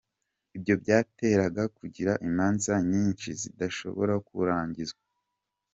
Ibyo byateraga kugira imanza nyinshi zidashobora kurangizwa.